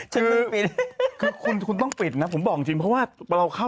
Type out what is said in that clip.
คือคุณคุณต้องปิดนะผมบอกจริงเพราะว่าเราเข้า